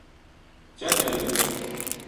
چا کے لے گیو